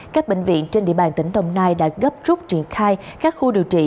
các bệnh viện trên địa bàn tỉnh đồng nai đã gấp rút triển khai các khu điều trị